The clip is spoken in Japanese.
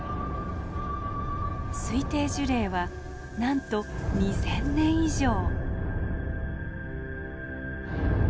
推定樹齢はなんと２，０００年以上。